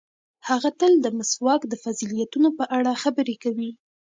هغه تل د مسواک د فضیلتونو په اړه خبرې کوي.